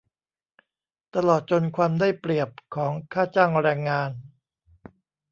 ตลอดจนความได้เปรียบของค่าจ้างแรงงาน